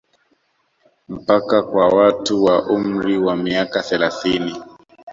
Mpaka kwa watu wa umri wa miaka thelathini